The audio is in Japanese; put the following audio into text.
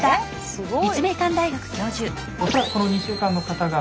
すごい。